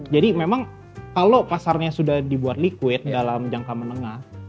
jadi memang kalau pasarnya sudah dibuat liquid dalam jangka menengah